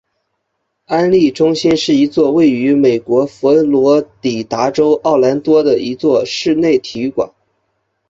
安丽中心是一座位于美国佛罗里达州奥兰多的一座室内体育馆。